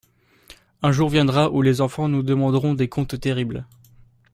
Un jour viendra où les enfants nous demanderont des comptes terribles.